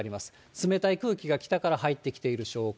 冷たい空気が北から入ってきている証拠。